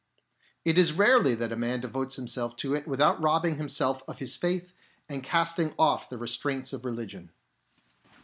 It is rarely that a man devotes himself to it without robbing himself of his faith and casting off the restraints of religion.